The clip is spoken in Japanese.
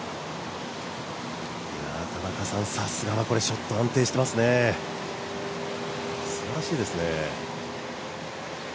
さすがはショット安定してますね、すばらしいですね。